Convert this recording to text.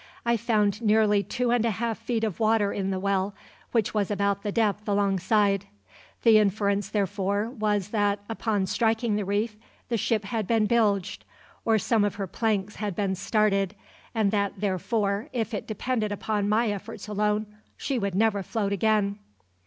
I found nearly two and a half feet of water in the well, which was about the depth alongside; the inference therefore was that, upon striking the reef, the ship had been bilged, or some of her planks had been started, and that therefore, if it depended upon my efforts alone, she would never float again.